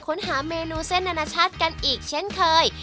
ค้นหาเมนูเส้นอนาชาติกันอีกเช่นเคย